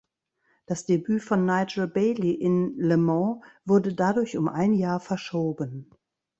Das Debüt von Nigel Bailly in Le Mans wurde dadurch um ein Jahr verschoben.